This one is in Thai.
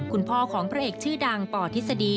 คุณพ่อของพระเอกชื่อดังปทฤษฎี